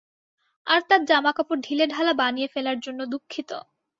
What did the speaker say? আর তার জামাকাপড় ঢিলেঢালা বানিয়ে ফেলার জন্য দুঃখিত।